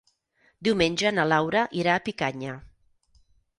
Diumenge na Laura irà a Picanya.